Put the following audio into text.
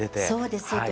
そうです。